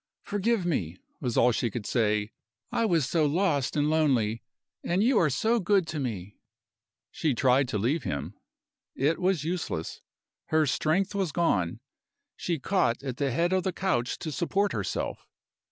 "Forgive me!" was all she could say. "I was so lost and lonely and you are so good to me!" She tried to leave him. It was useless her strength was gone; she caught at the head of the couch to support herself.